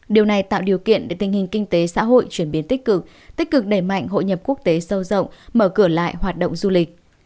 điều này tạo điều kiện để tình hình kinh tế xã hội chuyển biến tích cực tích cực đẩy mạnh hội nhập quốc tế sâu rộng mở cửa lại hoạt động du lịch